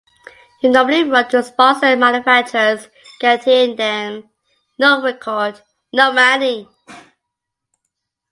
He normally rode to sponsor manufacturers, guaranteeing them "no record, no money".